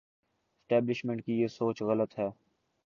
Establishment کی یہ سوچ غلط ہے۔